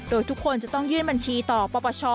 โดยทุกคนจะต้องยื่นบัญชีต่อปปช